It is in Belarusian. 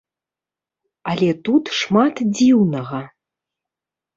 Але тут шмат дзіўнага.